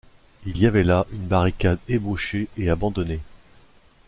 Il y avait là une barricade ébauchée et abandonnée.